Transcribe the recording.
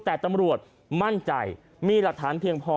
แต่ตำรวจมั่นใจมีหลักฐานเพียงพอ